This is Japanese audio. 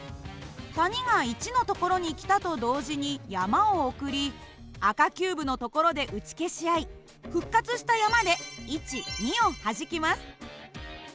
谷が１の所に来たと同時に山を送り赤キューブの所で打ち消し合い復活した山で１２をはじきます。